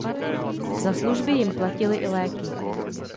Za služby jim platili i léky.